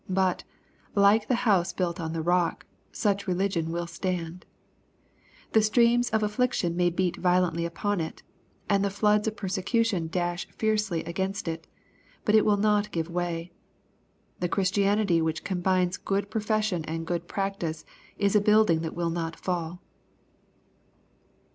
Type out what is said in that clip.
But, like the house built on the rock, such religion will stand. The streams of affliction may beat violently upon it, and the floods of persecution dash fiercely against it, but it will not give way. The Christianity which combines good pro fession and good practice, is a building that will not fall.